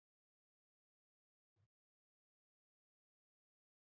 افغانستان تر هغو نه ابادیږي، ترڅو ولس له حکومته راضي نه وي.